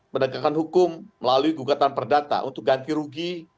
penegakan hukum melalui gugatan perdata untuk ganti rugi